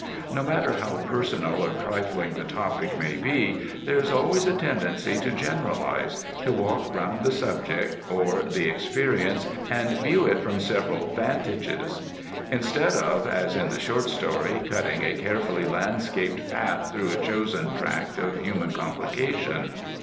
No matter how personal or trifling the topic may be, there is always a tendency to generalize, to walk round the subject or the experience, and view it from several vantages; instead of (as in the short story) cutting a carefully landscaped path through a chosen tract of human complication.